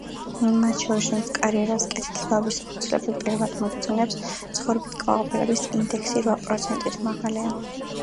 მათ შორის, ვინც კარიერას კეთილდღეობის აუცილებელ პირობად მოიხსენიებს, ცხოვრებით კმაყოფილების ინდექსი რვა პროცენტით მაღალია.